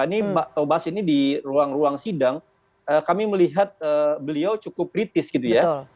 ini mbak tobas ini di ruang ruang sidang kami melihat beliau cukup kritis gitu ya